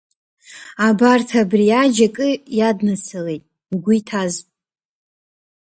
Абарҭ абри аџь акы иаднацалеит, угәы иҭаз!